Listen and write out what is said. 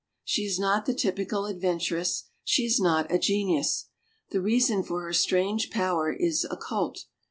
She is not the typical adventuress; she is not a genius. The reason for her strange power is occult.